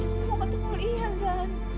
aku gak tau liat zan